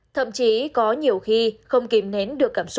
thậm chí có nhiều khi không kìm nến được cảm xúc